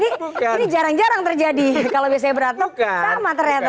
ini jarang jarang terjadi kalau bc beratno sama ternyata